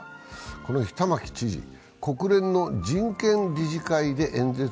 この日、玉城知事、国連の人権理事会で演説。